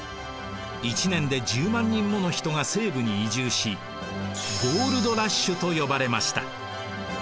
一年で１０万人もの人が西部に移住しゴールド・ラッシュと呼ばれました。